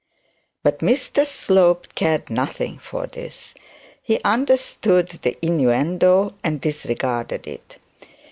But Mr Slope cared nothing for this. He understood the innuendo, and disregarded it.